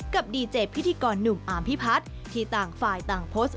ดีเจพิธีกรหนุ่มอามพิพัฒน์ที่ต่างฝ่ายต่างโพสต์